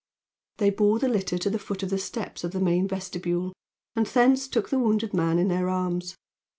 They bore the litter to the foot of the steps of the main vestibule, and thence took the wounded man in their arms.